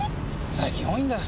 最近多いんだ。